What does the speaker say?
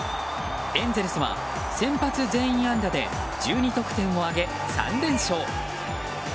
エンゼルスは先発全員安打で１２点を挙げ、３連勝。